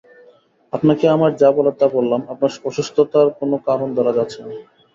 আপনাকে আমার যা বলার তা বললাম, আপনার অসুস্থতার কোনো কারণ ধরা যাচ্ছে না।